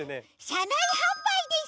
しゃないはんばいです。